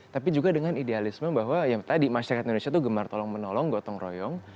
tapi juga dengan idealisme bahwa ya tadi masyarakat indonesia itu gemar tolong menolong gotong royong